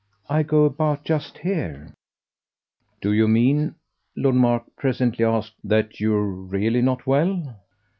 "I go about just here." "Do you mean," Lord Mark presently asked, "that you're really not well?"